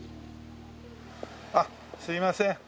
あっすいません。